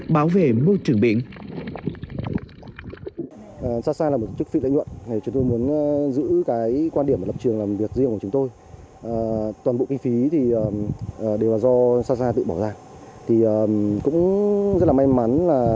bảo vệ môi trường biển